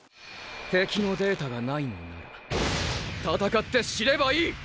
敵のデータがないのなら闘って知ればいい！！